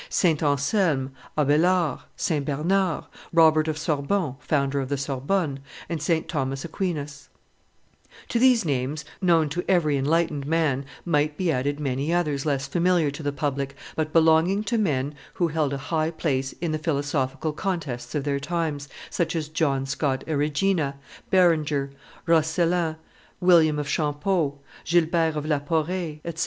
Anselm, Abelard, St. Bernard, Robert of Sorbon, founder of the Sorbonne, and St. Thomas Aquinas. [Illustration: St. Thomas Aquinas and Abelard 140] To these names, known to every enlightened man, might be added many others less familiar to the public, but belonging to men who held a high place in the philosophical contests of their times, such as John Scot Erigena, Berenger, Roscelin, William of Champeaux, Gilbert of La Poree, &c.